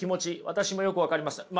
私もよく分かります。